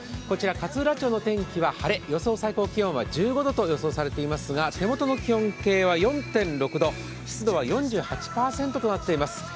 こちら、勝浦町の天気は晴れ、予想最高気温は１５度と予想されていますが、手元の気温計は４．６度、湿度は４８％となっています。